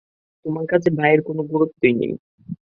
তোমার কাছে ভাইয়ের কোনো গুরুত্বই নেই।